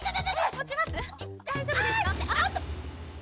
持ちます。